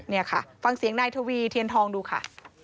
นี่ค่ะฟังเสียงนายทวีเทียนทองดูค่ะ